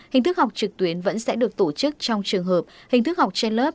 học trực tuyến vẫn sẽ được tổ chức trong trường hợp hình thức học trên lớp